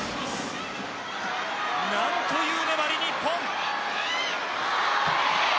何という粘り、日本。